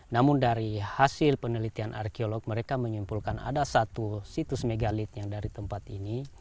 namun dari hasil penelitian arkeolog mereka menyimpulkan ada satu situs megalit yang dari tempat ini